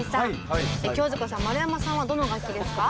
清塚さん丸山さんはどの楽器ですか？